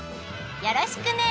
よろしくね！